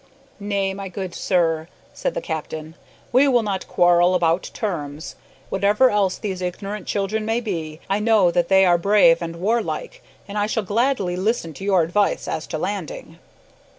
"Nay, my good sir," said the captain, "we will not quarrel about terms. Whatever else these `ignorant children' may be, I know that they are brave and warlike, and I shall gladly listen to your advice as to landing."